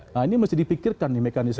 nah ini mesti dipikirkan nih mekanisme